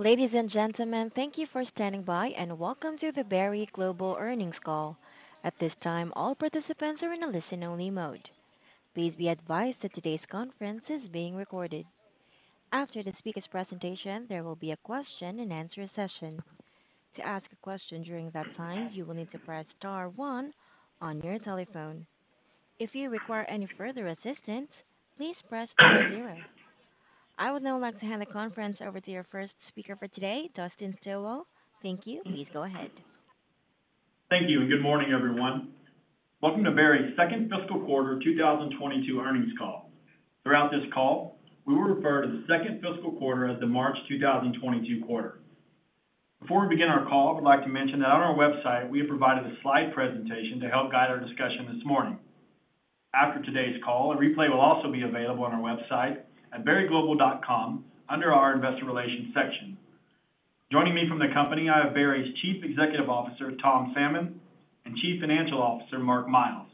Ladies and gentlemen, thank you for standing by, and welcome to the Berry Global earnings call. At this time, all participants are in a listen-only mode. Please be advised that today's conference is being recorded. After the speaker's presentation, there will be a question-and-answer session. To ask a question during that time, you will need to press star one on your telephone. If you require any further assistance, please press zero. I would now like to hand the conference over to your first speaker for today, Dustin Stilwell. Thank you. Please go ahead. Thank you, and good morning, everyone. Welcome to Berry's second fiscal quarter 2022 earnings call. Throughout this call, we will refer to the second fiscal quarter as the March 2022 quarter. Before we begin our call, I would like to mention that on our website we have provided a slide presentation to help guide our discussion this morning. After today's call, a replay will also be available on our website at berryglobal.com under our Investor Relations section. Joining me from the company, I have Berry's Chief Executive Officer, Tom Salmon, and Chief Financial Officer, Mark Miles.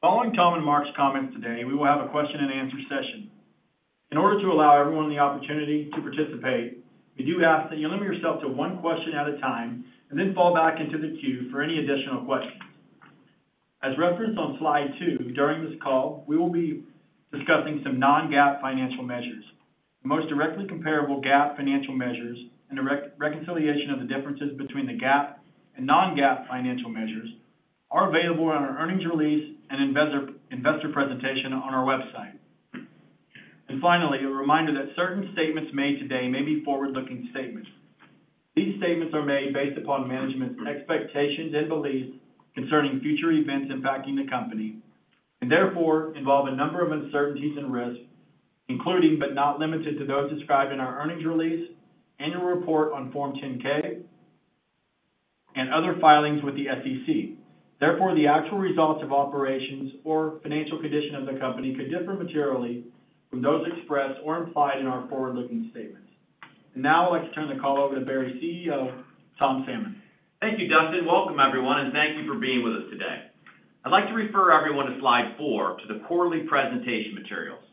Following Tom and Mark's comments today, we will have a question-and-answer session. In order to allow everyone the opportunity to participate, we do ask that you limit yourself to one question at a time and then fall back into the queue for any additional questions. As referenced on slide two, during this call, we will be discussing some non-GAAP financial measures. The most directly comparable GAAP financial measures and the reconciliation of the differences between the GAAP and non-GAAP financial measures are available on our earnings release and investor presentation on our website. Finally, a reminder that certain statements made today may be forward-looking statements. These statements are made based upon management's expectations and beliefs concerning future events impacting the company, and therefore involve a number of uncertainties and risks, including but not limited to those described in our earnings release, annual report on Form 10-K, and other filings with the SEC. Therefore, the actual results of operations or financial condition of the company could differ materially from those expressed or implied in our forward-looking statements. Now I'd like to turn the call over to Berry's CEO, Tom Salmon. Thank you, Dustin. Welcome everyone, and thank you for being with us today. I'd like to refer everyone to slide four to the quarterly presentation materials.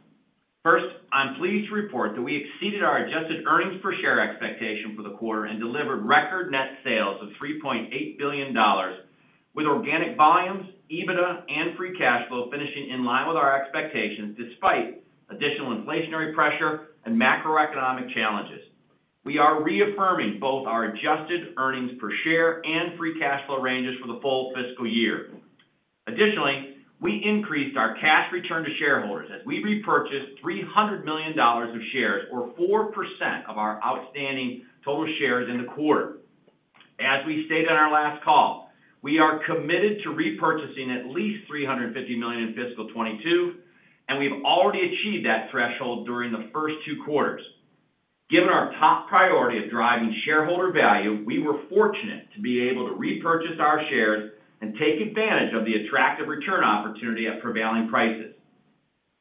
First, I'm pleased to report that we exceeded our adjusted earnings per share expectation for the quarter and delivered record net sales of $3.8 billion with organic volumes, EBITDA, and free cash flow finishing in line with our expectations, despite additional inflationary pressure and macroeconomic challenges. We are reaffirming both our adjusted earnings per share and free cash flow ranges for the full fiscal year. Additionally, we increased our cash return to shareholders as we repurchased $300 million of shares or 4% of our outstanding total shares in the quarter. As we stated on our last call, we are committed to repurchasing at least $350 million in fiscal 2022, and we've already achieved that threshold during the first two quarters. Given our top priority of driving shareholder value, we were fortunate to be able to repurchase our shares and take advantage of the attractive return opportunity at prevailing prices.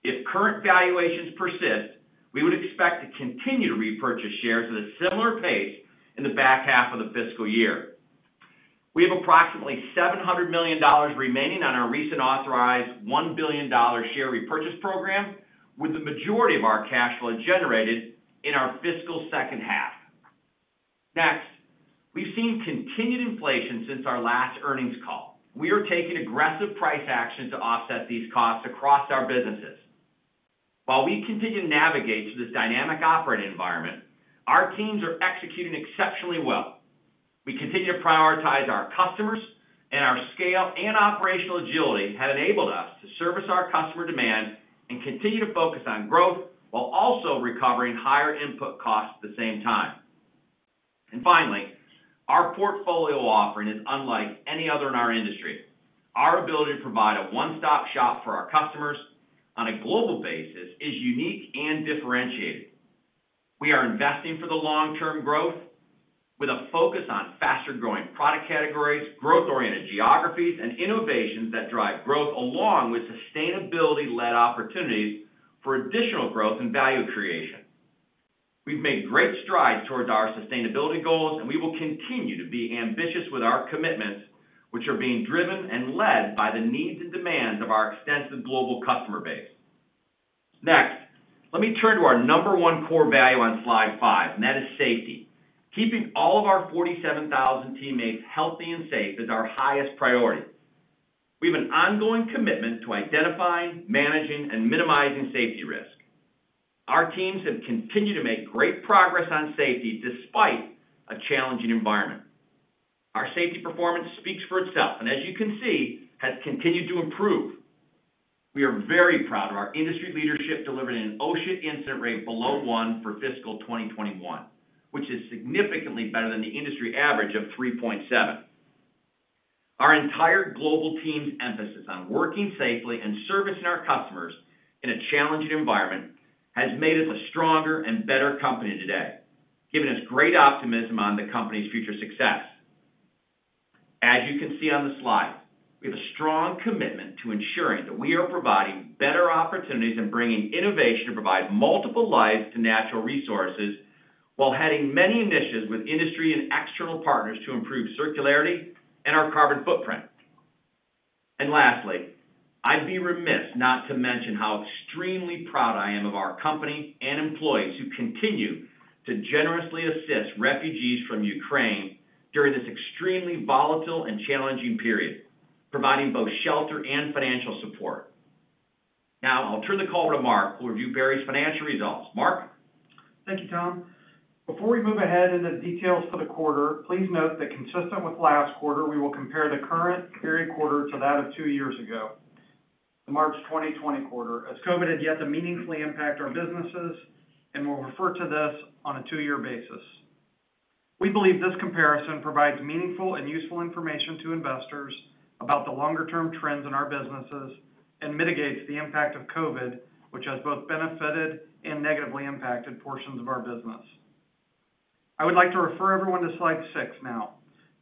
If current valuations persist, we would expect to continue to repurchase shares at a similar pace in the back half of the fiscal year. We have approximately $700 million remaining on our recent authorized $1 billion share repurchase program, with the majority of our cash flow generated in our fiscal second half. Next, we've seen continued inflation since our last earnings call. We are taking aggressive price action to offset these costs across our businesses. While we continue to navigate through this dynamic operating environment, our teams are executing exceptionally well. We continue to prioritize our customers, and our scale and operational agility have enabled us to service our customer demand and continue to focus on growth while also recovering higher input costs at the same time. Finally, our portfolio offering is unlike any other in our industry. Our ability to provide a one-stop shop for our customers on a global basis is unique and differentiated. We are investing for the long-term growth with a focus on faster-growing product categories, growth-oriented geographies, and innovations that drive growth along with sustainability-led opportunities for additional growth and value creation. We've made great strides towards our sustainability goals, and we will continue to be ambitious with our commitments, which are being driven and led by the needs and demands of our extensive global customer base. Next, let me turn to our number one core value on slide five, and that is safety. Keeping all of our 47,000 teammates healthy and safe is our highest priority. We have an ongoing commitment to identifying, managing, and minimizing safety risk. Our teams have continued to make great progress on safety despite a challenging environment. Our safety performance speaks for itself, and as you can see, has continued to improve. We are very proud of our industry leadership, delivering an OSHA incident rate below one for fiscal 2021, which is significantly better than the industry average of 3.7. Our entire global team's emphasis on working safely and servicing our customers in a challenging environment has made us a stronger and better company today, giving us great optimism on the company's future success. As you can see on the slide, we have a strong commitment to ensuring that we are providing better opportunities and bringing innovation to provide multiple lives to natural resources while having many initiatives with industry and external partners to improve circularity and our carbon footprint. Lastly, I'd be remiss not to mention how extremely proud I am of our company and employees who continue to generously assist refugees from Ukraine during this extremely volatile and challenging period, providing both shelter and financial support. Now I'll turn the call to Mark, who will review Berry's financial results. Mark? Thank you, Tom. Before we move ahead into the details for the quarter, please note that consistent with last quarter, we will compare the current period quarter to that of two years ago, the March 2020 quarter, as COVID had yet to meaningfully impact our businesses, and we'll refer to this on a two-year basis. We believe this comparison provides meaningful and useful information to investors about the longer-term trends in our businesses and mitigates the impact of COVID, which has both benefited and negatively impacted portions of our business. I would like to refer everyone to slide six now.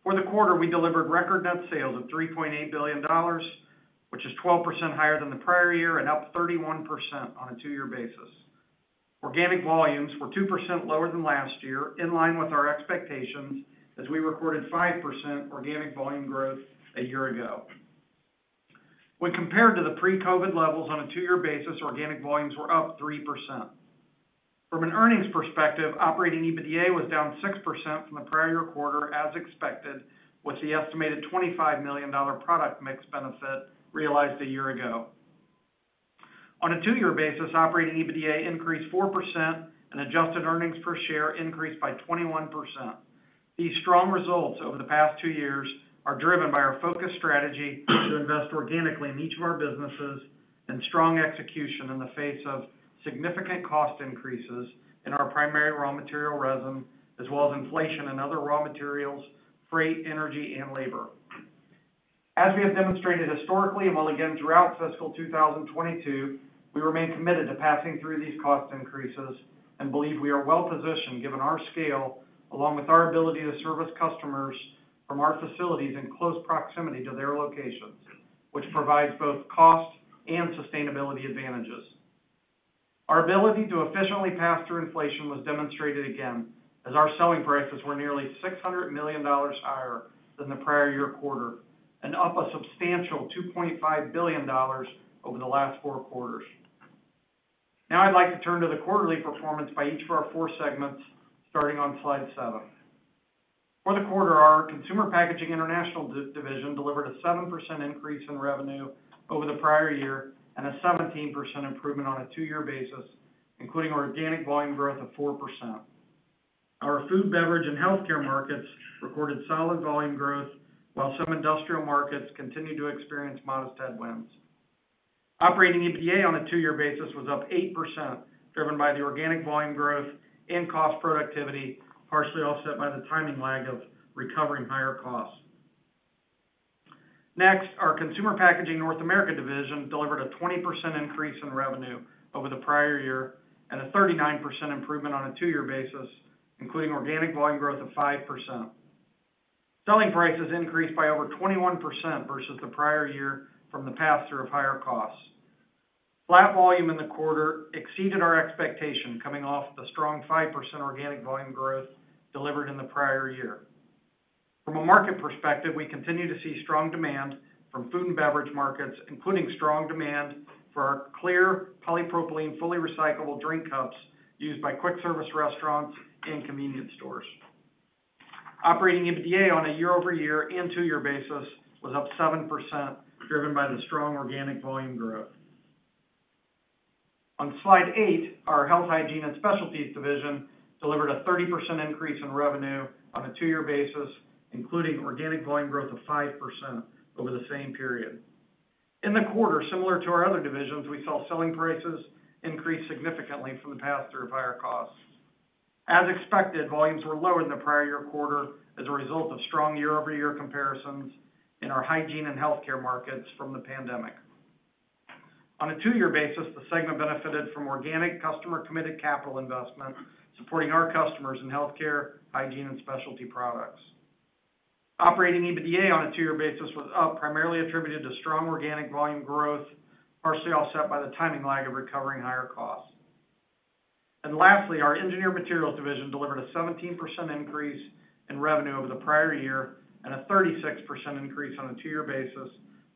For the quarter, we delivered record net sales of $3.8 billion, which is 12% higher than the prior year and up 31% on a two-year basis. Organic volumes were 2% lower than last year, in line with our expectations as we recorded 5% organic volume growth a year ago. When compared to the pre-COVID levels on a two-year basis, organic volumes were up 3%. From an earnings perspective, operating EBITDA was down 6% from the prior year quarter, as expected, with the estimated $25 million product mix benefit realized a year ago. On a two-year basis, operating EBITDA increased 4% and adjusted earnings per share increased by 21%. These strong results over the past two years are driven by our focused strategy to invest organically in each of our businesses and strong execution in the face of significant cost increases in our primary raw material resin, as well as inflation in other raw materials, freight, energy and labor. As we have demonstrated historically and will again throughout fiscal 2022, we remain committed to passing through these cost increases and believe we are well positioned given our scale along with our ability to service customers from our facilities in close proximity to their locations, which provides both cost and sustainability advantages. Our ability to efficiently pass through inflation was demonstrated again, as our selling prices were nearly $600 million higher than the prior year quarter and up a substantial $2.5 billion over the last four quarters. Now I'd like to turn to the quarterly performance by each of our four segments, starting on slide seven. For the quarter, our Consumer Packaging International division delivered a 7% increase in revenue over the prior year and a 17% improvement on a two-year basis, including organic volume growth of 4%. Our food, beverage and healthcare markets recorded solid volume growth, while some industrial markets continued to experience modest headwinds. Operating EBITDA on a two-year basis was up 8%, driven by the organic volume growth and cost productivity, partially offset by the timing lag of recovering higher costs. Next, our Consumer Packaging North America division delivered a 20% increase in revenue over the prior year and a 39% improvement on a two-year basis, including organic volume growth of 5%. Selling prices increased by over 21% versus the prior year from the pass-through of higher costs. Flat volume in the quarter exceeded our expectation coming off the strong 5% organic volume growth delivered in the prior year. From a market perspective, we continue to see strong demand from food and beverage markets, including strong demand for our clear polypropylene, fully recyclable drink cups used by quick service restaurants and convenience stores. Operating EBITDA on a year-over-year and two-year basis was up 7%, driven by the strong organic volume growth. On slide eight, our Health, Hygiene & Specialties division delivered a 30% increase in revenue on a two-year basis, including organic volume growth of 5% over the same period. In the quarter, similar to our other divisions, we saw selling prices increase significantly from the pass-through of higher costs. As expected, volumes were lower than the prior year quarter as a result of strong year-over-year comparisons in our hygiene and healthcare markets from the pandemic. On a two-year basis, the segment benefited from organic customer-committed capital investment, supporting our customers in healthcare, hygiene and specialty products. Operating EBITDA on a two-year basis was up, primarily attributed to strong organic volume growth, partially offset by the timing lag of recovering higher costs. Lastly, our Engineered Materials division delivered a 17% increase in revenue over the prior year and a 36% increase on a two-year basis,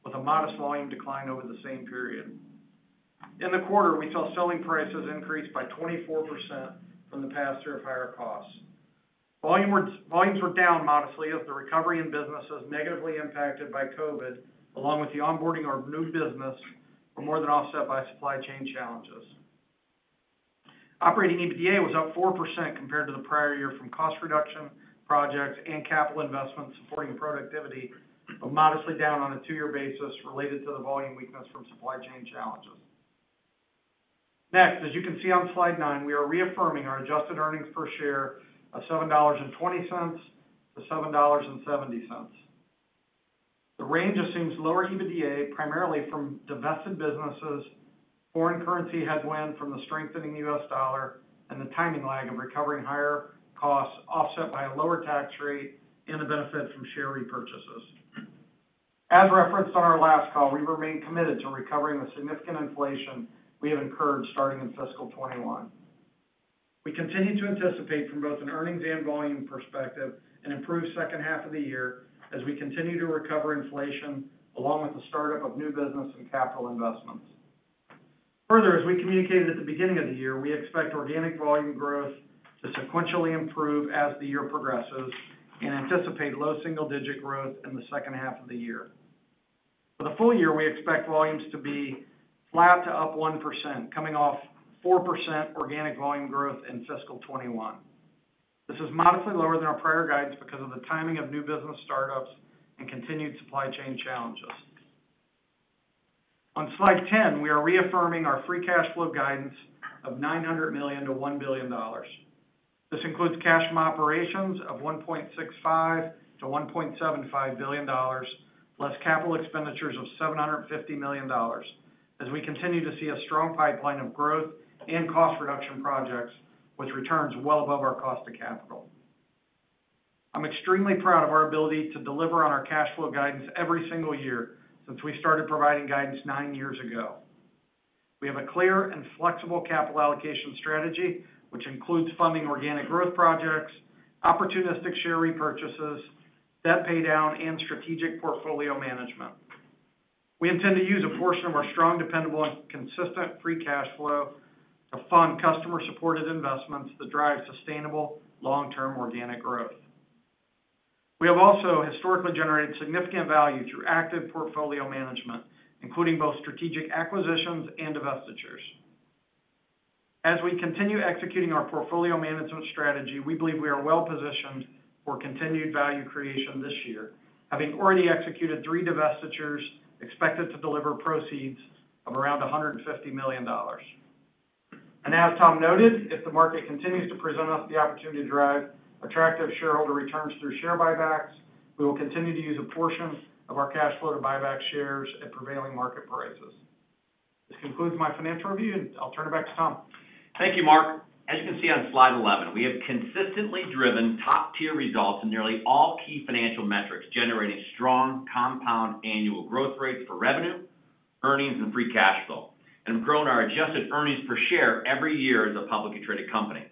with a modest volume decline over the same period. In the quarter, we saw selling prices increase by 24% from the pass-through of higher costs. Volumes were down modestly as the recovery in businesses negatively impacted by COVID, along with the onboarding of new business were more than offset by supply chain challenges. Operating EBITDA was up 4% compared to the prior year from cost reduction projects and capital investments supporting productivity, but modestly down on a two-year basis related to the volume weakness from supply chain challenges. Next, as you can see on slide 9, we are reaffirming our adjusted earnings per share of $7.20-$7.70. The range assumes lower EBITDA, primarily from divested businesses, foreign currency headwind from the strengthening US dollar, and the timing lag of recovering higher costs offset by a lower tax rate and the benefit from share repurchases. As referenced on our last call, we remain committed to recovering the significant inflation we have incurred starting in fiscal 2021. We continue to anticipate from both an earnings and volume perspective an improved second half of the year as we continue to recover inflation, along with the startup of new business and capital investments. Further, as we communicated at the beginning of the year, we expect organic volume growth to sequentially improve as the year progresses and anticipate low single-digit growth in the second half of the year. For the full year, we expect volumes to be flat to up 1%, coming off 4% organic volume growth in fiscal 2021. This is modestly lower than our prior guidance because of the timing of new business startups and continued supply chain challenges. On slide 10, we are reaffirming our free cash flow guidance of $900 million-$1 billion. This includes cash from operations of $1.65 billion-$1.75 billion, plus capital expenditures of $750 million as we continue to see a strong pipeline of growth and cost reduction projects with returns well above our cost of capital. I'm extremely proud of our ability to deliver on our cash flow guidance every single year since we started providing guidance nine years ago. We have a clear and flexible capital allocation strategy, which includes funding organic growth projects, opportunistic share repurchases, debt paydown, and strategic portfolio management. We intend to use a portion of our strong, dependable, and consistent free cash flow to fund customer-supported investments that drive sustainable long-term organic growth. We have also historically generated significant value through active portfolio management, including both strategic acquisitions and divestitures. As we continue executing our portfolio management strategy, we believe we are well-positioned for continued value creation this year, having already executed three divestitures expected to deliver proceeds of around $150 million. As Tom noted, if the market continues to present us the opportunity to drive attractive shareholder returns through share buybacks, we will continue to use a portion of our cash flow to buy back shares at prevailing market prices. This concludes my financial review, and I'll turn it back to Tom. Thank you, Mark. As you can see on slide 11, we have consistently driven top-tier results in nearly all key financial metrics, generating strong compound annual growth rates for revenue, earnings, and free cash flow, and grown our adjusted earnings per share every year as a publicly traded company.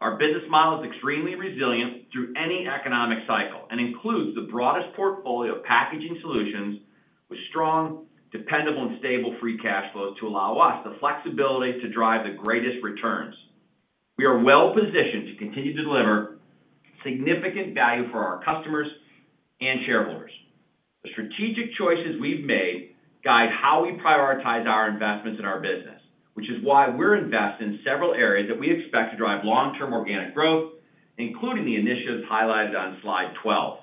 Our business model is extremely resilient through any economic cycle and includes the broadest portfolio of packaging solutions with strong, dependable, and stable free cash flow to allow us the flexibility to drive the greatest returns. We are well positioned to continue to deliver significant value for our customers and shareholders. The strategic choices we've made guide how we prioritize our investments in our business, which is why we're invested in several areas that we expect to drive long-term organic growth, including the initiatives highlighted on slide 12.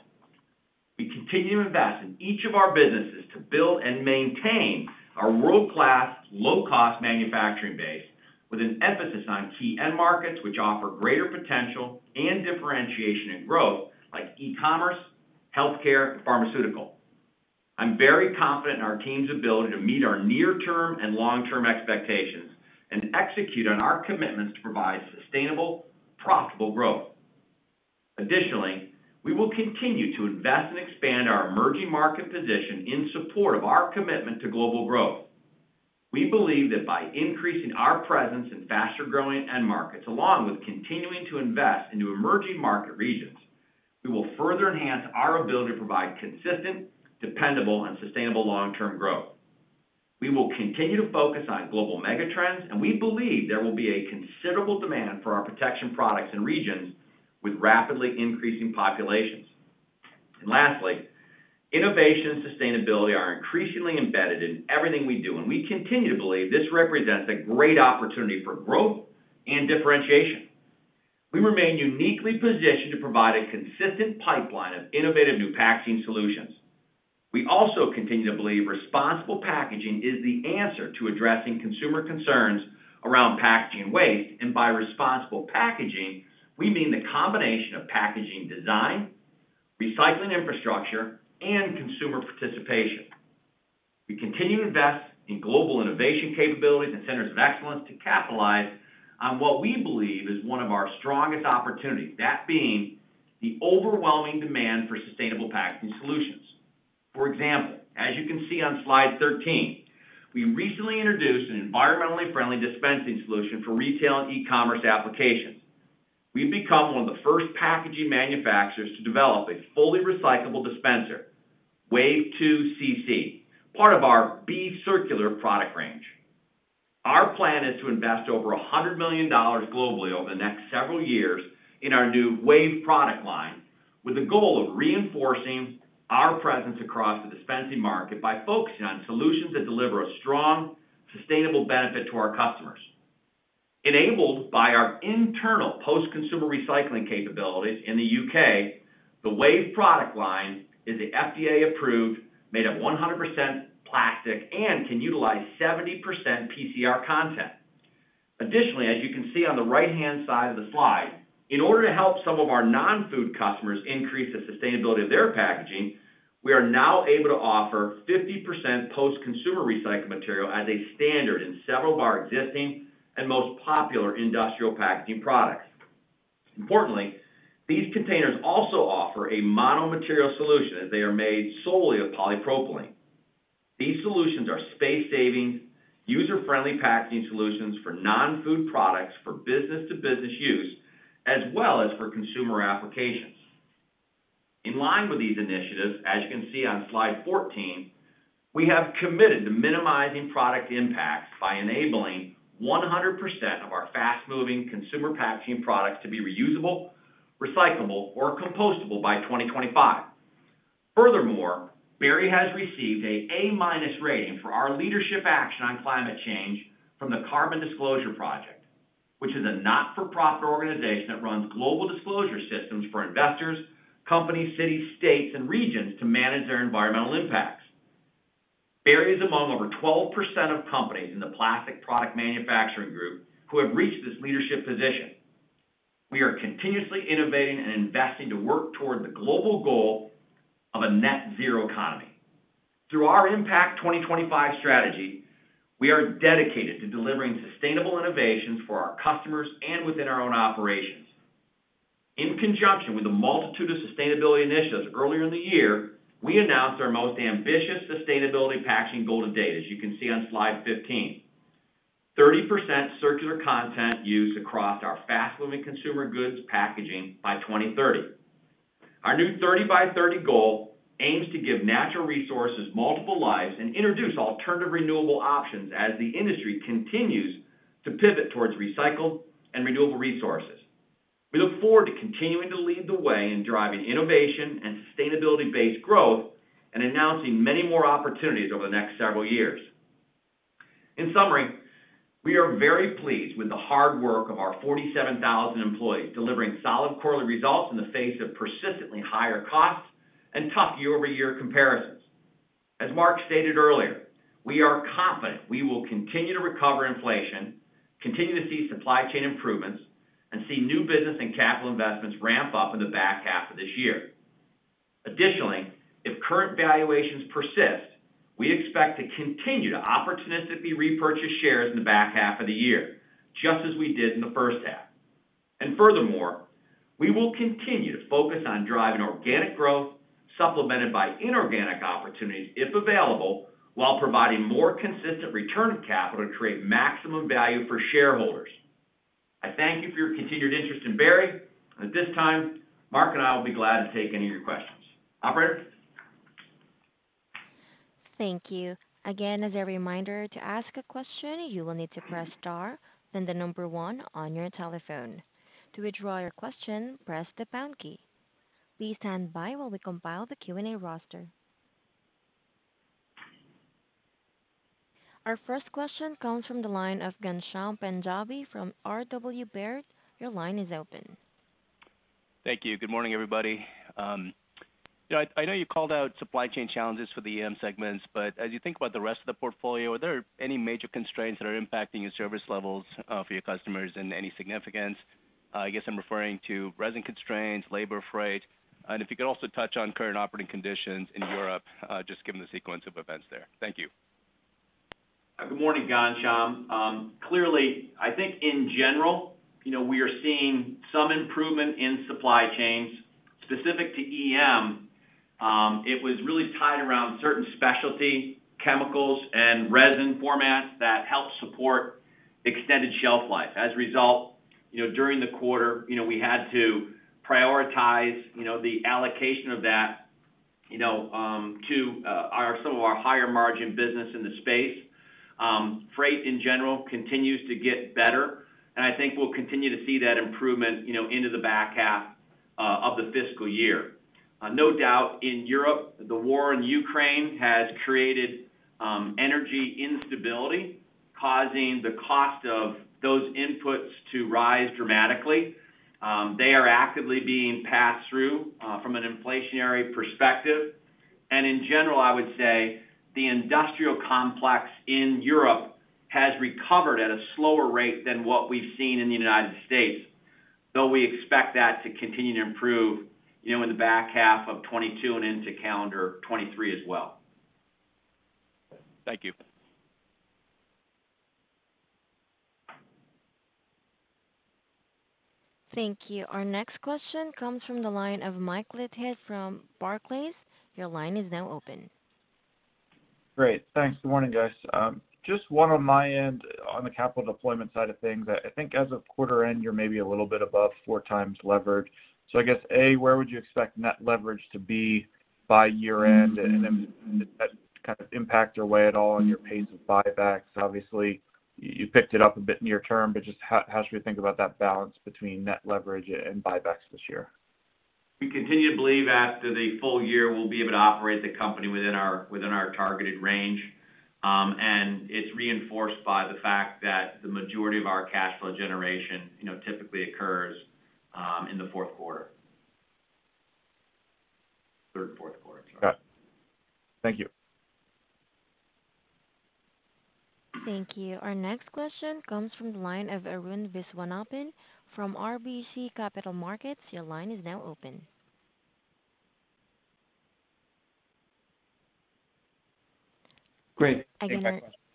We continue to invest in each of our businesses to build and maintain a world-class, low-cost manufacturing base with an emphasis on key end markets which offer greater potential and differentiation and growth like e-commerce, healthcare, and pharmaceutical. I'm very confident in our team's ability to meet our near-term and long-term expectations and execute on our commitments to provide sustainable, profitable growth. Additionally, we will continue to invest and expand our emerging market position in support of our commitment to global growth. We believe that by increasing our presence in faster-growing end markets, along with continuing to invest into emerging market regions, we will further enhance our ability to provide consistent, dependable, and sustainable long-term growth. We will continue to focus on global mega trends, and we believe there will be a considerable demand for our protection products in regions with rapidly increasing populations. Lastly, innovation and sustainability are increasingly embedded in everything we do, and we continue to believe this represents a great opportunity for growth and differentiation. We remain uniquely positioned to provide a consistent pipeline of innovative new packaging solutions. We also continue to believe responsible packaging is the answer to addressing consumer concerns around packaging waste, and by responsible packaging, we mean the combination of packaging design, recycling infrastructure, and consumer participation. We continue to invest in global innovation capabilities and centers of excellence to capitalize on what we believe is one of our strongest opportunities, that being the overwhelming demand for sustainable packaging solutions. For example, as you can see on slide 13, we recently introduced an environmentally friendly dispensing solution for retail and e-commerce applications. We've become one of the first packaging manufacturers to develop a fully recyclable dispenser, Wave2cc, part of our B Circular product range. Our plan is to invest over $100 million globally over the next several years in our new Wave product line, with the goal of reinforcing our presence across the dispensing market by focusing on solutions that deliver a strong, sustainable benefit to our customers. Enabled by our internal post-consumer recycling capabilities in the U.K., the Wave product line is FDA-approved, made of 100% plastic, and can utilize 70% PCR content. Additionally, as you can see on the right-hand side of the slide, in order to help some of our non-food customers increase the sustainability of their packaging, we are now able to offer 50% post-consumer recycled material as a standard in several of our existing and most popular industrial packaging products. Importantly, these containers also offer a mono-material solution as they are made solely of polypropylene. These solutions are space-saving, user-friendly packaging solutions for non-food products for business-to-business use as well as for consumer applications. In line with these initiatives, as you can see on slide 14, we have committed to minimizing product impact by enabling 100% of our fast-moving consumer packaging products to be reusable, recyclable or compostable by 2025. Furthermore, Berry has received an A- rating for our leadership action on climate change from the Carbon Disclosure Project, which is a non-profit organization that runs global disclosure systems for investors, companies, cities, states and regions to manage their environmental impacts. Berry is among over 12% of companies in the plastic product manufacturing group who have reached this leadership position. We are continuously innovating and investing to work toward the global goal of a net zero economy. Through our Impact 2025 strategy, we are dedicated to delivering sustainable innovations for our customers and within our own operations. In conjunction with a multitude of sustainability initiatives, earlier in the year, we announced our most ambitious sustainability packaging goal to date, as you can see on slide 15. 30% circular content used across our fast-moving consumer goods packaging by 2030. Our new 30 by 30 goal aims to give natural resources multiple lives and introduce alternative renewable options as the industry continues to pivot towards recycled and renewable resources. We look forward to continuing to lead the way in driving innovation and sustainability-based growth and announcing many more opportunities over the next several years. In summary, we are very pleased with the hard work of our 47,000 employees, delivering solid quarterly results in the face of persistently higher costs and tough year-over-year comparisons. As Mark stated earlier, we are confident we will continue to recover inflation, continue to see supply chain improvements, and see new business and capital investments ramp up in the back half of this year. Additionally, if current valuations persist, we expect to continue to opportunistically repurchase shares in the back half of the year, just as we did in the first half. Furthermore, we will continue to focus on driving organic growth, supplemented by inorganic opportunities, if available, while providing more consistent return of capital to create maximum value for shareholders. I thank you for your continued interest in Berry. At this time, Mark and I will be glad to take any of your questions. Operator? Thank you. Again, as a reminder, to ask a question, you will need to press star then the number one on your telephone. To withdraw your question, press the pound key. Please stand by while we compile the Q&A roster. Our first question comes from the line of Ghansham Panjabi from Robert W. Baird. Your line is open. Thank you. Good morning, everybody. You know, I know you called out supply chain challenges for the EM segments, but as you think about the rest of the portfolio, are there any major constraints that are impacting your service levels for your customers in any significance? I guess I'm referring to resin constraints, labor, freight. If you could also touch on current operating conditions in Europe, just given the sequence of events there. Thank you. Good morning, Ghansham. Clearly, I think in general, you know, we are seeing some improvement in supply chains specific to EM. It was really tied to certain specialty chemicals and resin formats that help support extended shelf life. As a result, you know, during the quarter, you know, we had to prioritize, you know, the allocation of that, you know, to some of our higher margin business in the space. Freight in general continues to get better, and I think we'll continue to see that improvement, you know, into the back half of the fiscal year. No doubt, in Europe, the war in Ukraine has created energy instability, causing the cost of those inputs to rise dramatically. They are actively being passed through from an inflationary perspective. In general, I would say the industrial complex in Europe has recovered at a slower rate than what we've seen in the United States, though we expect that to continue to improve, you know, in the back half of 2022 and into calendar 2023 as well. Thank you. Thank you. Our next question comes from the line of Mike Leithead from Barclays. Your line is now open. Great. Thanks. Good morning, guys. Just one on my end on the capital deployment side of things. I think as of quarter end, you're maybe a little bit above 4x leverage. So I guess, A, where would you expect net leverage to be by year-end? And then does that kind of impact your way at all in your pace of buybacks? Obviously, you picked it up a bit near term, but just how should we think about that balance between net leverage and buybacks this year? We continue to believe after the full year we'll be able to operate the company within our targeted range. It's reinforced by the fact that the majority of our cash flow generation, you know, typically occurs in the third and fourth quarter. Got it. Thank you. Thank you. Our next question comes from the line of Arun Viswanathan from RBC Capital Markets. Your line is now open. Great.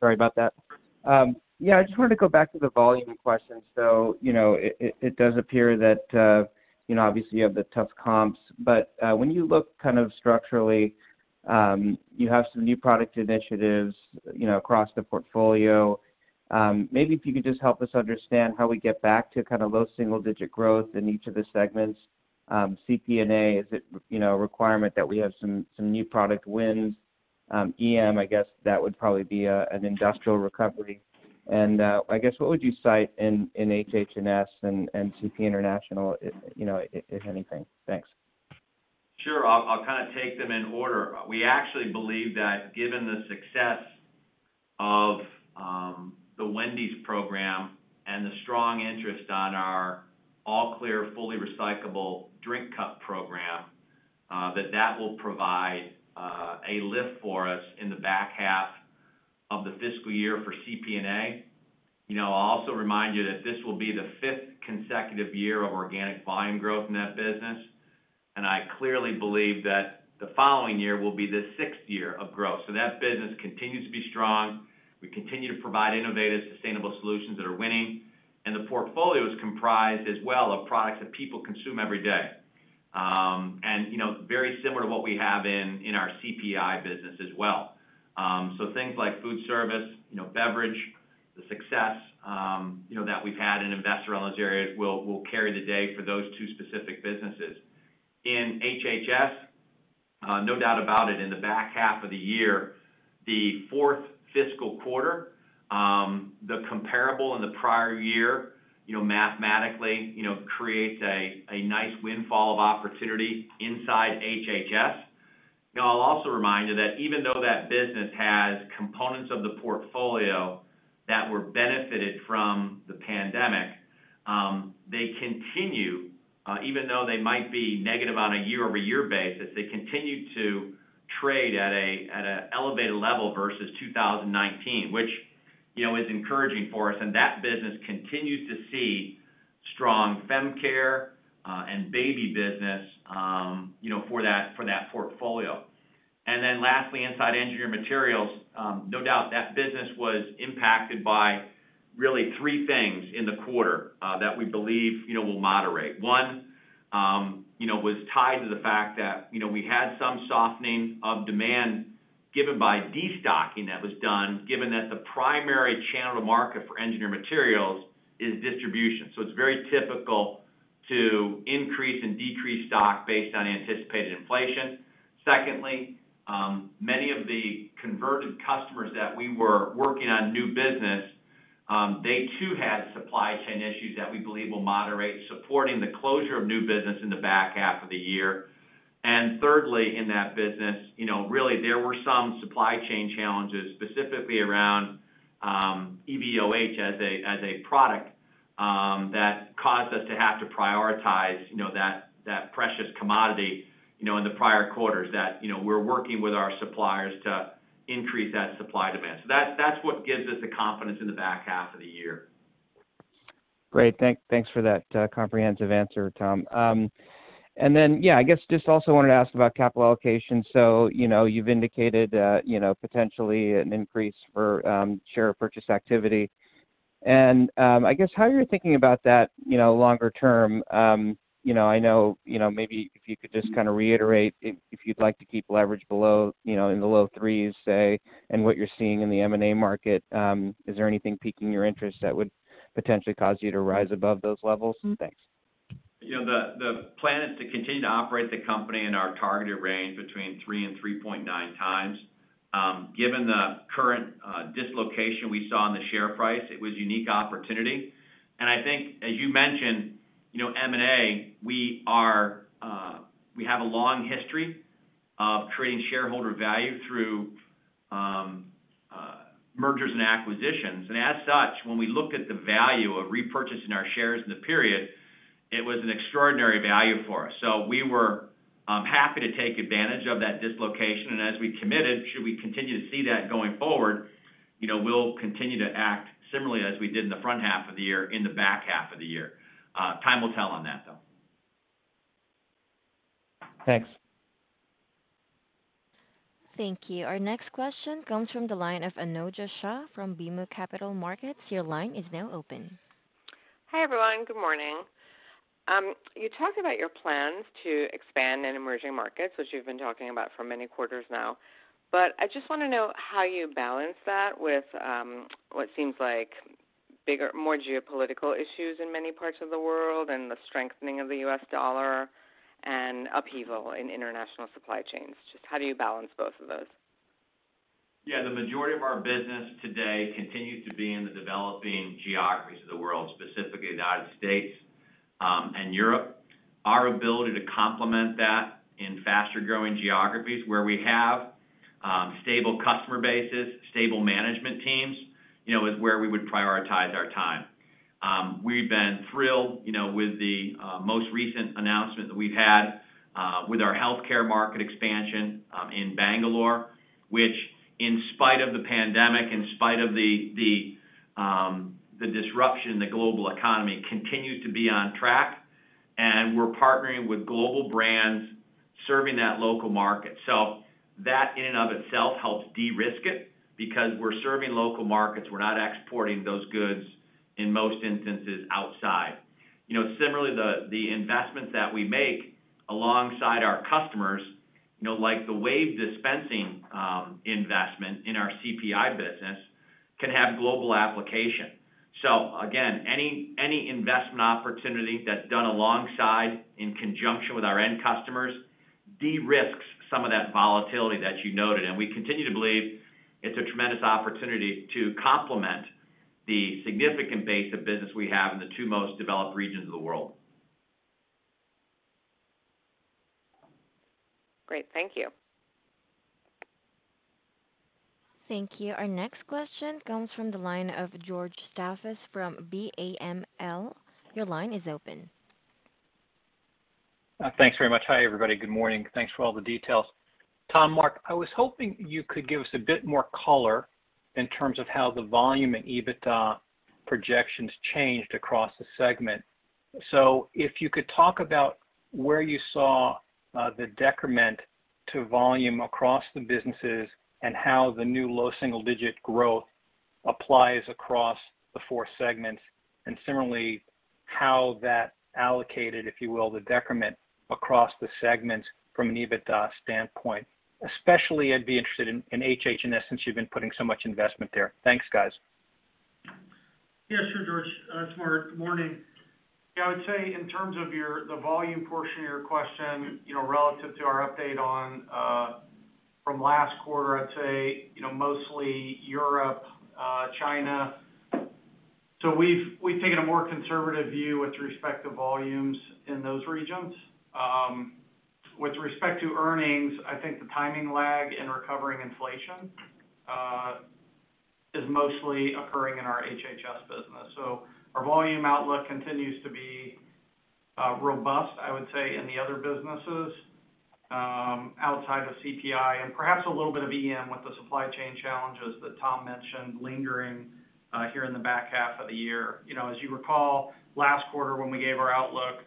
Sorry about that. Yeah, I just wanted to go back to the volume question. You know, it does appear that, you know, obviously, you have the tough comps, but when you look kind of structurally, you have some new product initiatives, you know, across the portfolio. Maybe if you could just help us understand how we get back to kind of low single digit growth in each of the segments. CPNA, is it, you know, a requirement that we have some new product wins? EM, I guess, that would probably be an industrial recovery. I guess, what would you cite in HHS and CPI, you know, if anything? Thanks. Sure. I'll kind of take them in order. We actually believe that given the success of the Wendy's program and the strong interest on our all clear, fully recyclable drink cup program, that will provide a lift for us in the back half of the fiscal year for CPNA. You know, I'll also remind you that this will be the fifth consecutive year of organic volume growth in that business, and I clearly believe that the following year will be the sixth year of growth. That business continues to be strong. We continue to provide innovative, sustainable solutions that are winning. The portfolio is comprised as well of products that people consume every day. You know, very similar to what we have in our CPI business as well. Things like food service, you know, beverage, the success, you know, that we've had in innovation-driven areas will carry the day for those two specific businesses. In HHS, no doubt about it, in the back half of the year, the fourth fiscal quarter, the comparable in the prior year, you know, mathematically, you know, creates a nice windfall of opportunity inside HHS. You know, I'll also remind you that even though that business has components of the portfolio that were benefited from the pandemic, they continue, even though they might be negative on a year-over-year basis, they continue to trade at a elevated level versus 2019, which, you know, is encouraging for us. That business continues to see strong fem care, and baby business, you know, for that portfolio. Lastly, inside Engineered Materials, no doubt that business was impacted by really three things in the quarter that we believe, you know, will moderate. One, you know, was tied to the fact that, you know, we had some softening of demand given by destocking that was done, given that the primary channel to market for Engineered Materials is distribution. So it's very typical to increase and decrease stock based on anticipated inflation. Secondly, many of the converted customers that we were working on new business, they too had supply chain issues that we believe will moderate, supporting the closure of new business in the back half of the year. Thirdly, in that business, you know, really there were some supply chain challenges, specifically around EVOH as a product that caused us to have to prioritize, you know, that precious commodity, you know, in the prior quarters that, you know, we're working with our suppliers to increase that supply and demand. That's what gives us the confidence in the back half of the year. Great. Thanks for that comprehensive answer, Tom. Yeah, I guess just also wanted to ask about capital allocation. You know, you've indicated potentially an increase for share purchase activity. I guess how you're thinking about that, you know, longer term. You know, I know, maybe if you could just kinda reiterate if you'd like to keep leverage below, you know, in the low threes, say, and what you're seeing in the M&A market, is there anything piquing your interest that would potentially cause you to rise above those levels? Thanks. You know, the plan is to continue to operate the company in our targeted range between 3x and 3.9x. Given the current dislocation we saw in the share price, it was unique opportunity. I think as you mentioned, you know, M&A, we have a long history of creating shareholder value through mergers and acquisitions. As such, when we look at the value of repurchasing our shares in the period, it was an extraordinary value for us. We were happy to take advantage of that dislocation. As we committed, should we continue to see that going forward, you know, we'll continue to act similarly as we did in the front half of the year, in the back half of the year. Time will tell on that, though. Thanks. Thank you. Our next question comes from the line of Anojja Shah from BMO Capital Markets. Your line is now open. Hi, everyone. Good morning. You talked about your plans to expand in emerging markets, which you've been talking about for many quarters now. I just wanna know how you balance that with what seems like more geopolitical issues in many parts of the world and the strengthening of the US dollar and upheaval in international supply chains. Just how do you balance both of those? Yeah. The majority of our business today continues to be in the developing geographies of the world, specifically the United States, and Europe. Our ability to complement that in faster-growing geographies where we have stable customer bases, stable management teams, you know, is where we would prioritize our time. We've been thrilled, you know, with the most recent announcement that we've had with our healthcare market expansion in Bangalore, which in spite of the pandemic, in spite of the disruption in the global economy, continues to be on track. We're partnering with global brands serving that local market. That in and of itself helps de-risk it because we're serving local markets, we're not exporting those goods in most instances outside. You know, similarly, the investments that we make alongside our customers, you know, like the Wave dispensing investment in our CPI business can have global application. Again, any investment opportunity that's done alongside in conjunction with our end customers de-risks some of that volatility that you noted. We continue to believe it's a tremendous opportunity to complement the significant base of business we have in the two most developed regions of the world. Great, thank you. Thank you. Our next question comes from the line of George Staphos from BAML. Your line is open. Thanks very much. Hi, everybody. Good morning. Thanks for all the details. Tom, Mark, I was hoping you could give us a bit more color in terms of how the volume and EBITDA projections changed across the segment. If you could talk about where you saw the decrement to volume across the businesses and how the new low single-digit growth applies across the four segments, and similarly, how that allocated, if you will, the decrement across the segments from an EBITDA standpoint. Especially I'd be interested in HH since you've been putting so much investment there. Thanks, guys. Yeah, sure, George. It's Mark. Good morning. Yeah, I would say in terms of the volume portion of your question, you know, relative to our update on from last quarter, I'd say, you know, mostly Europe, China. We've taken a more conservative view with respect to volumes in those regions. With respect to earnings, I think the timing lag in recovering inflation is mostly occurring in our HHS business. Our volume outlook continues to be robust, I would say, in the other businesses outside of CPI and perhaps a little bit of EM with the supply chain challenges that Tom mentioned lingering here in the back half of the year. You know, as you recall, last quarter when we gave our outlook,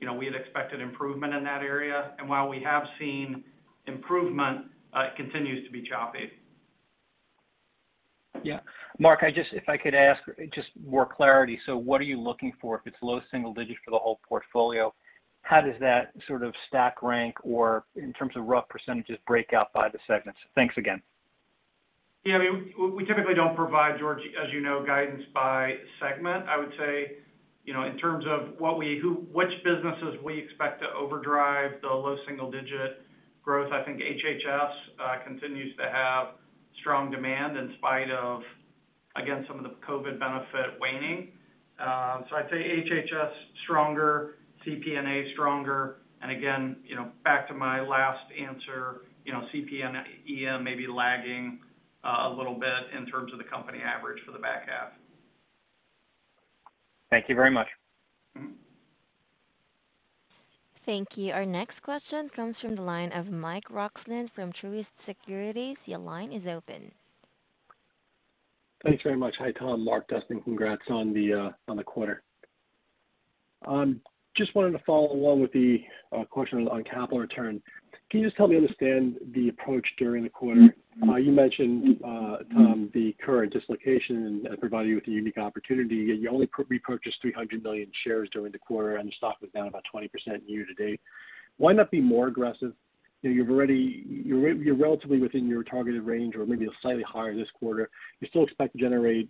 you know, we had expected improvement in that area. While we have seen improvement, it continues to be choppy. Yeah. Mark, I just, if I could ask, just more clarity. What are you looking for if it's low single digit for the whole portfolio? How does that sort of stack rank or in terms of rough percentages break out by the segments? Thanks again. Yeah. I mean, we typically don't provide, George, as you know, guidance by segment. I would say, you know, in terms of which businesses we expect to overdrive the low single-digit growth, I think HHS continues to have strong demand in spite of, again, some of the COVID benefit waning. So I'd say HHS stronger, CPNA stronger. Again, you know, back to my last answer, you know, CPI, EM may be lagging a little bit in terms of the company average for the back half. Thank you very much. Mm-hmm. Thank you. Our next question comes from the line of Michael Roxland from Truist Securities. Your line is open. Thanks very much. Hi, Tom, Mark, Dustin. Congrats on the quarter. Just wanted to follow along with the question on capital return. Can you just help me understand the approach during the quarter? You mentioned, Tom, the current dislocation providing you with a unique opportunity, yet you only repurchased 300 million shares during the quarter, and the stock was down about 20% year to date. Why not be more aggressive? You know, you're relatively within your targeted range or maybe slightly higher this quarter. You still expect to generate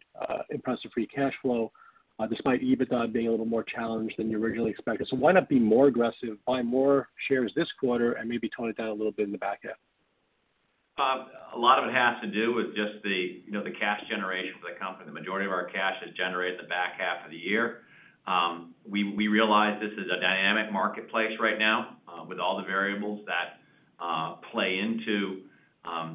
impressive free cash flow, despite EBITDA being a little more challenged than you originally expected. Why not be more aggressive, buy more shares this quarter and maybe tone it down a little bit in the back half? A lot of it has to do with just the, you know, the cash generation for the company. The majority of our cash is generated in the back half of the year. We realize this is a dynamic marketplace right now, with all the variables that play into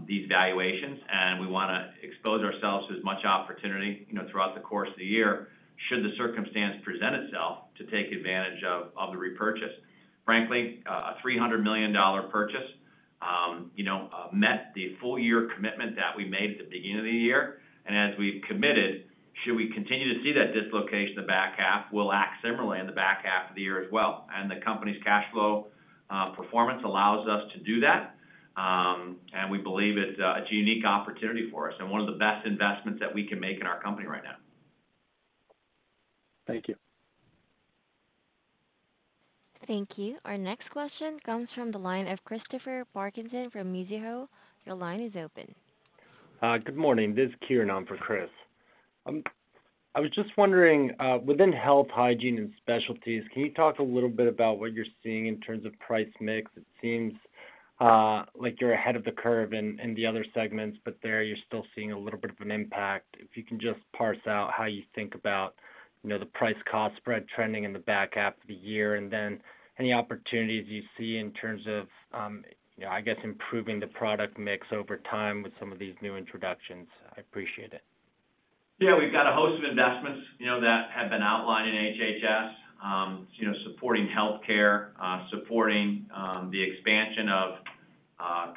these valuations. We wanna expose ourselves to as much opportunity, you know, throughout the course of the year should the circumstance present itself to take advantage of the repurchase. Frankly, a $300 million purchase, you know, met the full year commitment that we made at the beginning of the year. As we've committed, should we continue to see that dislocation in the back half, we'll act similarly in the back half of the year as well. The company's cash flow performance allows us to do that. We believe it's a unique opportunity for us and one of the best investments that we can make in our company right now. Thank you. Thank you. Our next question comes from the line of Christopher Parkinson from Mizuho. Your line is open. Good morning. This is Kieran on for Chris. I was just wondering, within Health, Hygiene & Specialties, can you talk a little bit about what you're seeing in terms of price mix? It seems like you're ahead of the curve in the other segments, but there you're still seeing a little bit of an impact. If you can just parse out how you think about, you know, the price cost spread trending in the back half of the year, and then any opportunities you see in terms of, you know, I guess, improving the product mix over time with some of these new introductions. I appreciate it. Yeah. We've got a host of investments, you know, that have been outlined in HHS, supporting healthcare, supporting the expansion of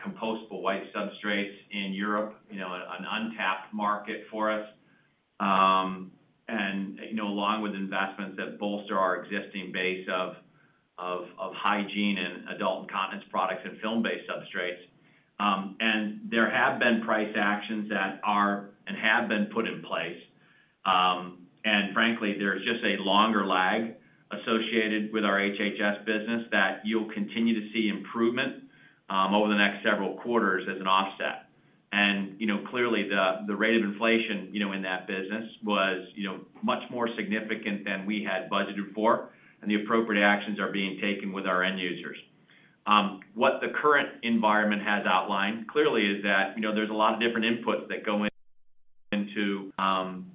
compostable white substrates in Europe, you know, an untapped market for us. Along with investments that bolster our existing base of hygiene and adult incontinence products and film-based substrates. There have been price actions that have been put in place. Frankly, there's just a longer lag associated with our HHS business that you'll continue to see improvement over the next several quarters as an offset. Clearly the rate of inflation in that business was much more significant than we had budgeted for, and the appropriate actions are being taken with our end users. What the current environment has outlined clearly is that, you know, there's a lot of different inputs that go into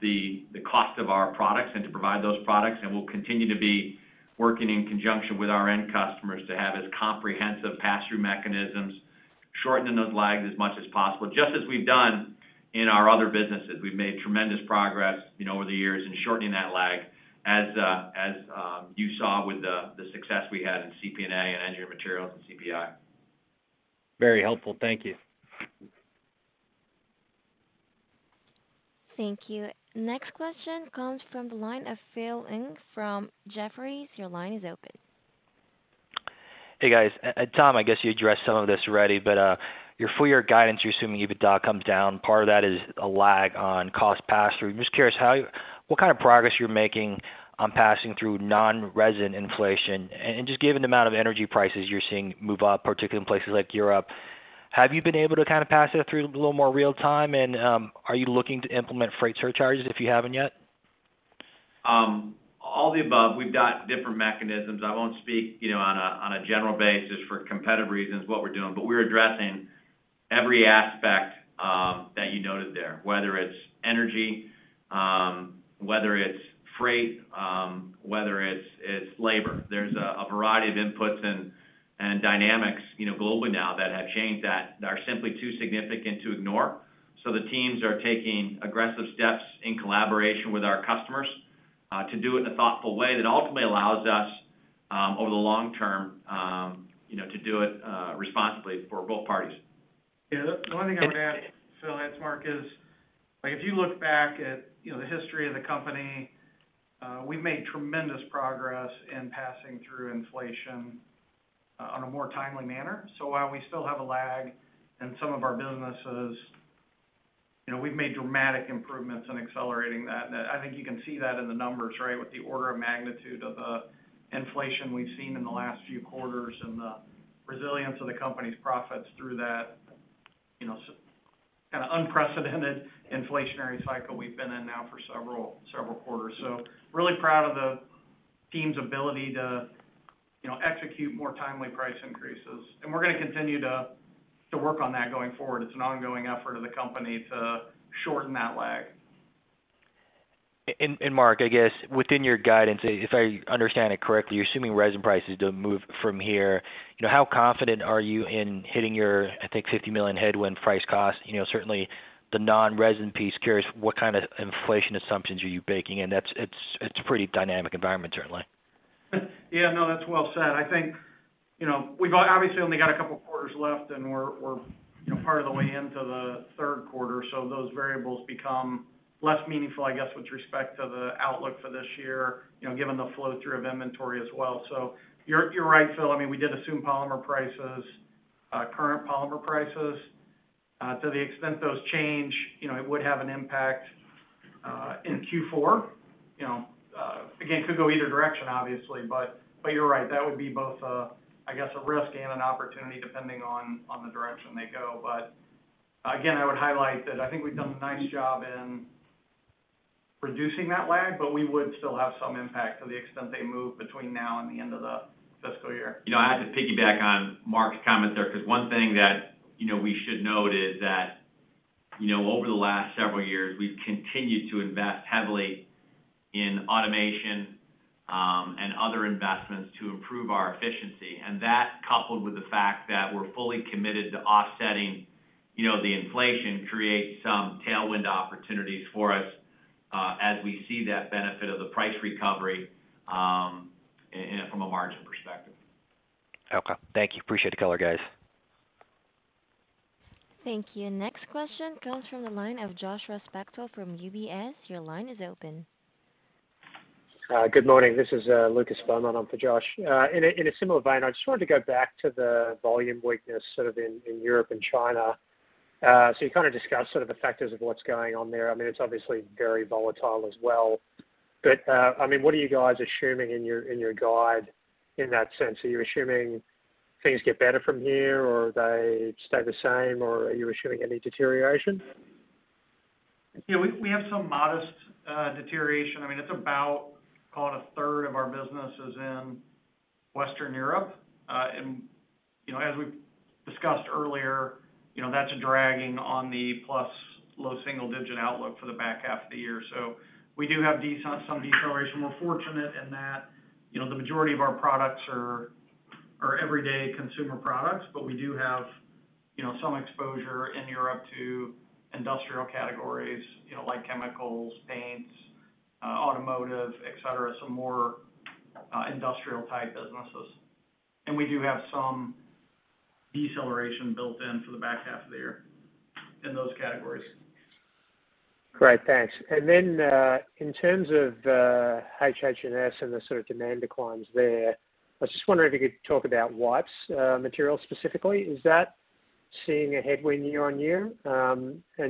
the cost of our products and to provide those products. We'll continue to be working in conjunction with our end customers to have as comprehensive pass-through mechanisms, shortening those lags as much as possible, just as we've done in our other businesses. We've made tremendous progress, you know, over the years in shortening that lag as you saw with the success we had in CPNA and Engineered Materials and CPI. Very helpful. Thank you. Thank you. Next question comes from the line of Philip Ng from Jefferies. Your line is open. Hey, guys. Tom, I guess you addressed some of this already, but your full-year guidance, you're assuming EBITDA comes down. Part of that is a lag on cost pass-through. I'm just curious what kind of progress you're making on passing through non-resin inflation and just given the amount of energy prices you're seeing move up, particularly in places like Europe, have you been able to kind of pass that through a little more real time? Are you looking to implement freight surcharges if you haven't yet? All the above, we've got different mechanisms. I won't speak, you know, on a general basis for competitive reasons what we're doing, but we're addressing every aspect that you noted there, whether it's energy, whether it's freight, whether it's labor. There's a variety of inputs and dynamics, you know, globally now that have changed that are simply too significant to ignore. The teams are taking aggressive steps in collaboration with our customers to do it in a thoughtful way that ultimately allows us, over the long term, you know, to do it responsibly for both parties. Yeah. The one thing I would add, Phil, it's Mark, is, like if you look back at, you know, the history of the company, we've made tremendous progress in passing through inflation on a more timely manner. While we still have a lag in some of our businesses, you know, we've made dramatic improvements in accelerating that. I think you can see that in the numbers, right? With the order of magnitude of the inflation we've seen in the last few quarters and the resilience of the company's profits through that, you know, kind of unprecedented inflationary cycle we've been in now for several quarters. Really proud of the team's ability to, you know, execute more timely price increases, and we're gonna continue to work on that going forward. It's an ongoing effort of the company to shorten that lag. Mark, I guess within your guidance, if I understand it correctly, you're assuming resin prices don't move from here. You know, how confident are you in hitting your, I think, $50 million headwind price cost? You know, certainly the non-resin piece, curious what kind of inflation assumptions are you baking in? That's, it's a pretty dynamic environment certainly. Yeah, no, that's well said. I think, you know, we've obviously only got a couple quarters left, and we're, you know, part of the way into the third quarter, so those variables become less meaningful, I guess, with respect to the outlook for this year, you know, given the flow-through of inventory as well. You're right, Phil. I mean, we did assume polymer prices, current polymer prices. To the extent those change, you know, it would have an impact in Q4. You know, again, could go either direction obviously. You're right, that would be both a, I guess, a risk and an opportunity depending on the direction they go. Again, I would highlight that I think we've done a nice job in reducing that lag, but we would still have some impact to the extent they move between now and the end of the fiscal year. You know, I have to piggyback on Mark's comment there, because one thing that, you know, we should note is that, you know, over the last several years, we've continued to invest heavily in automation, and other investments to improve our efficiency. That, coupled with the fact that we're fully committed to offsetting, you know, the inflation, creates some tailwind opportunities for us, as we see that benefit of the price recovery, and from a margin perspective. Okay. Thank you. Appreciate the color, guys. Thank you. Next question comes from the line of Joshua Spector from UBS. Your line is open. Good morning. This is Lucas Beaumont on for Josh. In a similar vein, I just wanted to go back to the volume weakness sort of in Europe and China. So you kind of discussed sort of the factors of what's going on there. I mean, it's obviously very volatile as well. I mean, what are you guys assuming in your guide in that sense? Are you assuming things get better from here, or they stay the same, or are you assuming any deterioration? Yeah. We have some modest deterioration. I mean, it's about, call it a third of our businesses in Western Europe. You know, as we've discussed earlier, you know, that's dragging on the plus low single digit outlook for the back half of the year. We do have some deceleration. We're fortunate in that, you know, the majority of our products are everyday consumer products, but we do have, you know, some exposure in Europe to industrial categories, you know, like chemicals, paints, automotive, et cetera, some more industrial type businesses. We do have some deceleration built in for the back half of the year in those categories. Great, thanks. Then, in terms of HHS and the sort of demand declines there, I was just wondering if you could talk about wipes material specifically. Is that seeing a headwind year on year?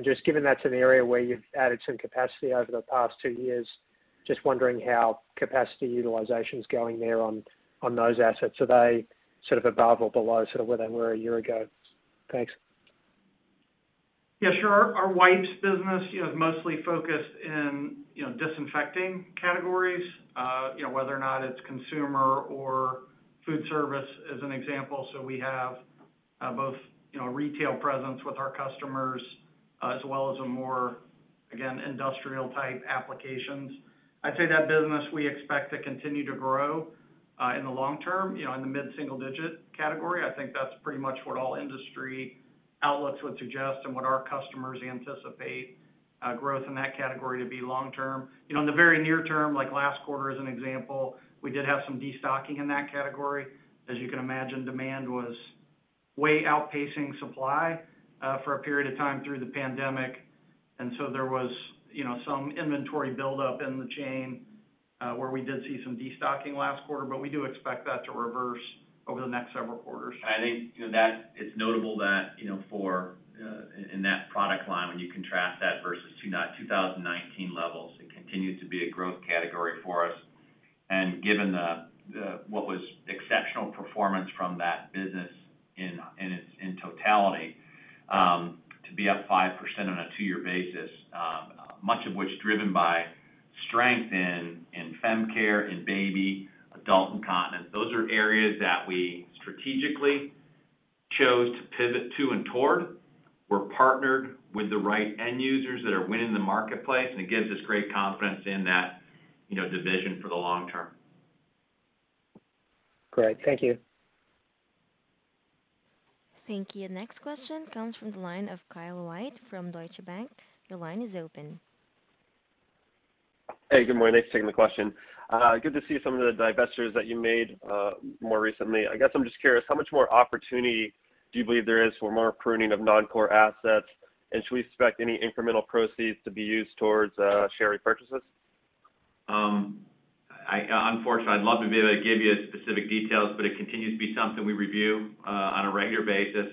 Just given that's an area where you've added some capacity over the past two years, just wondering how capacity utilization is going there on those assets. Are they sort of above or below sort of where they were a year ago? Thanks. Yeah, sure. Our wipes business, you know, is mostly focused in, you know, disinfecting categories, you know, whether or not it's consumer or food service as an example. We have both, you know, retail presence with our customers as well as a more, again, industrial type applications. I'd say that business we expect to continue to grow in the long term, you know, in the mid-single digit category. I think that's pretty much what all industry outlets would suggest and what our customers anticipate growth in that category to be long term. You know, in the very near term, like last quarter as an example, we did have some destocking in that category. As you can imagine, demand was way outpacing supply for a period of time through the pandemic. There was, you know, some inventory buildup in the chain where we did see some destocking last quarter, but we do expect that to reverse over the next several quarters. I think, you know, that it's notable that, you know, for in that product line, when you contrast that versus 2019 levels, it continues to be a growth category for us. Given what was exceptional performance from that business in its totality, to be up 5% on a two-year basis, much of which is driven by strength in fem care, in baby, adult incontinence, those are areas that we strategically chose to pivot to and toward. We're partnered with the right end users that are winning the marketplace, and it gives us great confidence in that, you know, division for the long term. Great. Thank you. Thank you. Next question comes from the line of Kyle White from Deutsche Bank. Your line is open. Hey, good morning. Thanks for taking the question. Good to see some of the divestitures that you made more recently. I guess I'm just curious, how much more opportunity do you believe there is for more pruning of non-core assets? And should we expect any incremental proceeds to be used towards share repurchases? I, unfortunately, I'd love to be able to give you specific details, but it continues to be something we review on a regular basis.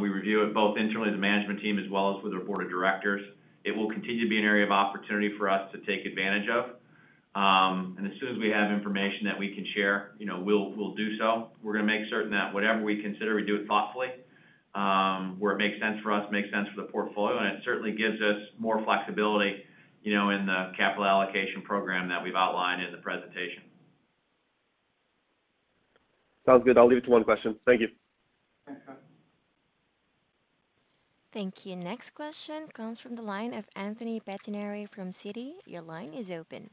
We review it both internally as a management team as well as with the board of directors. It will continue to be an area of opportunity for us to take advantage of. As soon as we have information that we can share, you know, we'll do so. We're gonna make certain that whatever we consider, we do it thoughtfully, where it makes sense for us, makes sense for the portfolio, and it certainly gives us more flexibility, you know, in the capital allocation program that we've outlined in the presentation. Sounds good. I'll leave it to one question. Thank you. Thanks, Kyle. Thank you. Next question comes from the line of Anthony Pettinari from Citi. Your line is open.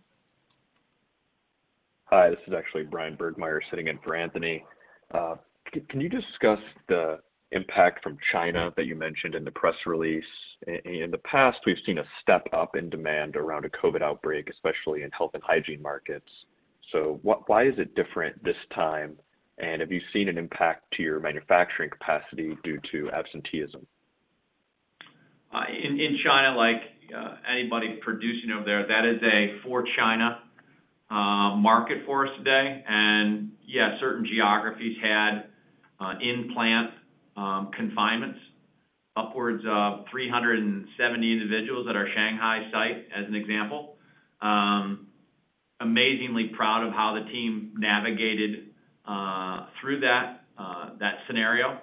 Hi, this is actually Bryan Bergmeier sitting in for Anthony Pettinari. Can you discuss the impact from China that you mentioned in the press release? In the past, we've seen a step up in demand around a COVID outbreak, especially in health and hygiene markets. Why is it different this time? Have you seen an impact to your manufacturing capacity due to absenteeism? In China, anybody producing over there, that is for China market for us today. Yeah, certain geographies had in-plant confinements, upwards of 370 individuals at our Shanghai site, as an example. Amazingly proud of how the team navigated through that scenario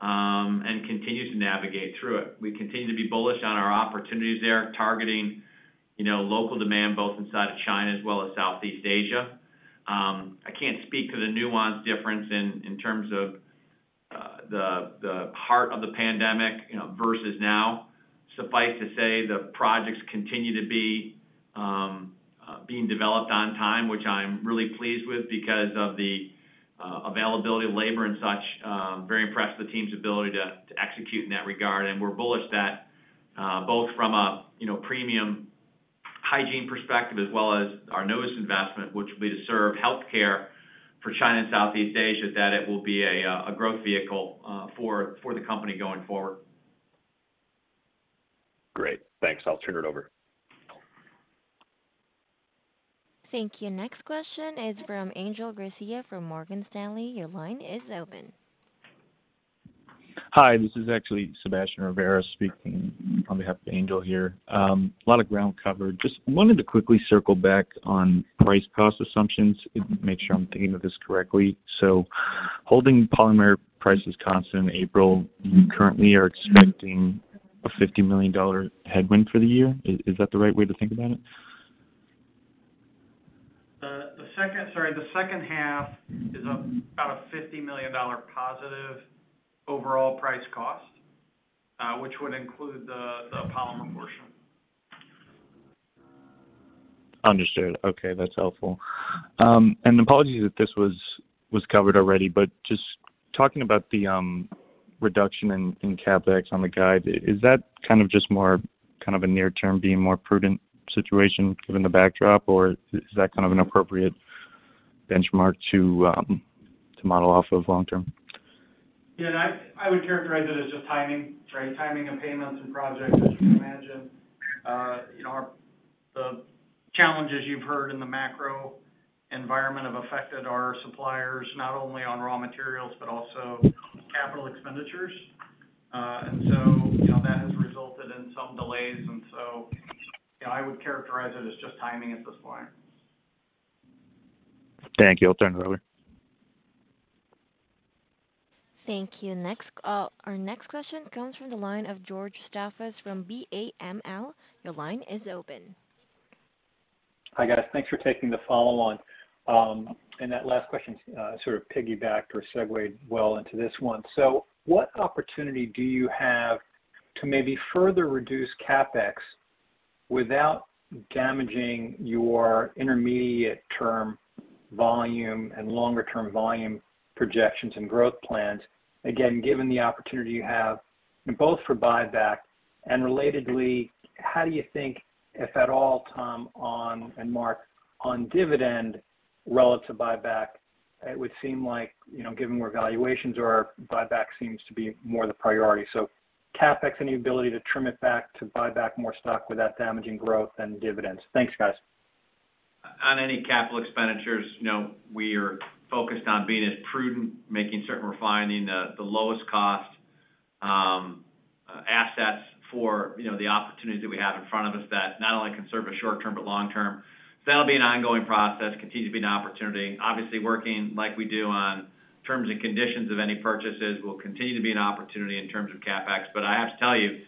and continue to navigate through it. We continue to be bullish on our opportunities there, targeting you know local demand both inside of China as well as Southeast Asia. I can't speak to the nuance difference in terms of the heart of the pandemic you know versus now. Suffice to say the projects continue to be being developed on time, which I'm really pleased with because of the availability of labor and such. Very impressed with the team's ability to execute in that regard. We're bullish that both from a you know premium hygiene perspective as well as our newest investment, which will be to serve healthcare for China and Southeast Asia, that it will be a growth vehicle for the company going forward. Great. Thanks. I'll turn it over. Thank you. Next question is from Angel Garcia from Morgan Stanley. Your line is open. Hi, this is actually Sebastian Rivera speaking on behalf of Angel here. A lot of ground covered. Just wanted to quickly circle back on price cost assumptions and make sure I'm thinking of this correctly. Holding polymer prices constant in April, you currently are expecting a $50 million headwind for the year. Is that the right way to think about it? The second half is up about $50 million positive overall price cost, which would include the polymer portion. Understood. Okay, that's helpful. Apologies if this was covered already, but just talking about the reduction in CapEx on the guide, is that kind of just more kind of a near term being more prudent situation given the backdrop? Or is that kind of an appropriate benchmark to model off of long term? Yeah, I would characterize it as just timing. Right? Timing of payments and projects. As you can imagine, you know, the challenges you've heard in the macro environment have affected our suppliers, not only on raw materials but also capital expenditures. You know, that has resulted in some delays. I would characterize it as just timing at this point. Thank you. I'll turn it over. Thank you. Next, our next question comes from the line of George Staphos from BAML. Your line is open. Hi guys. Thanks for taking the follow on. That last question sort of piggybacked or segued well into this one. What opportunity do you have to maybe further reduce CapEx without damaging your intermediate term volume and longer term volume projections and growth plans, again, given the opportunity you have both for buyback? Relatedly, how do you think, if at all, Tom and Mark, on dividend relative to buyback? It would seem like, you know, given where valuations are, buyback seems to be more the priority. CapEx, any ability to trim it back to buy back more stock without damaging growth and dividends? Thanks, guys. On any capital expenditures, you know, we are focused on being as prudent, making certain we're finding the lowest cost assets for, you know, the opportunities that we have in front of us that not only can serve us short term, but long term. That'll be an ongoing process, continues to be an opportunity. Obviously, working like we do on terms and conditions of any purchases will continue to be an opportunity in terms of CapEx. I have to tell you,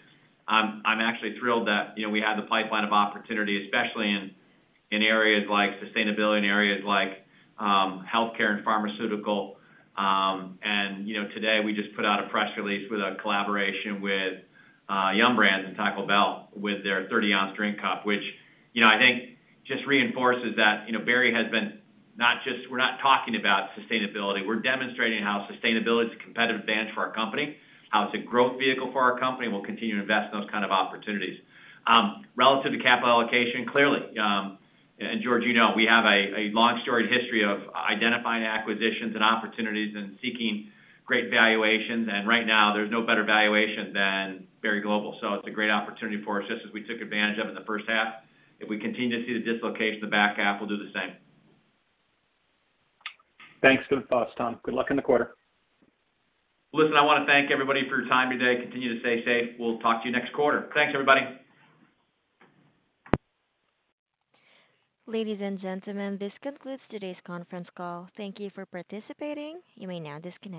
I'm actually thrilled that, you know, we have the pipeline of opportunity, especially in areas like sustainability, in areas like healthcare and pharmaceutical. You know, today we just put out a press release with a collaboration with Yum! Brands and Taco Bell with their 30-ounce drink cup, which, you know, I think just reinforces that, you know, Berry has been. We're not just talking about sustainability, we're demonstrating how sustainability is a competitive advantage for our company, how it's a growth vehicle for our company, and we'll continue to invest in those kind of opportunities. Relative to capital allocation, clearly, George, you know, we have a long storied history of identifying acquisitions and opportunities and seeking great valuations. Right now there's no better valuation than Berry Global. It's a great opportunity for us, just as we took advantage of in the first half. If we continue to see the dislocation in the back half, we'll do the same. Thanks. Good thoughts, Tom. Good luck in the quarter. Listen, I wanna thank everybody for your time today. Continue to stay safe. We'll talk to you next quarter. Thanks, everybody. Ladies and gentlemen, this concludes today's conference call. Thank you for participating. You may now disconnect.